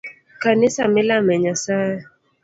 Kanisa milame nyasaye.